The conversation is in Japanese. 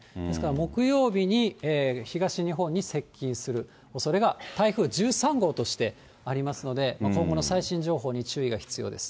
木曜日に東日本に接近するおそれが、台風１３号としてありますので、今後の最新情報に注意が必要です。